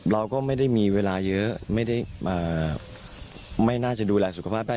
เราก็ไม่ได้มีเวลาเยอะไม่น่าจะดูแลสุขภาพได้